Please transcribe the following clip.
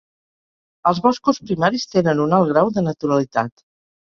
Els boscos primaris tenen un alt grau de naturalitat.